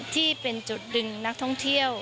ที่เป็นจุดดึงนักท่องเที่ยว